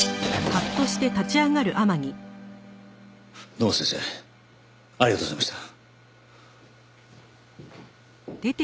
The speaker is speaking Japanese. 堂本先生ありがとうございました。